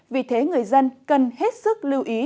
vì thế người dân cần hết sức lưu ý